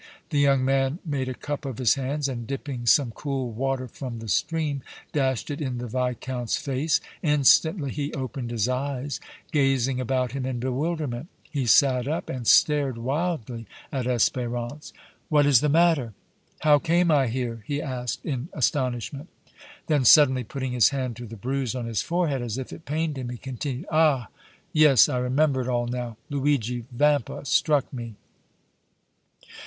The young man made a cup of his hands, and, dipping some cool water from the stream, dashed it in the Viscount's face. Instantly he opened his eyes, gazing about him in bewilderment. He sat up and stared wildly at Espérance. "What is the matter? How came I here?" he asked, in astonishment. Then suddenly putting his hand to the bruise on his forehead, as if it pained him, he continued: "Ah! yes! I remember it all now! Luigi Vampa struck me!"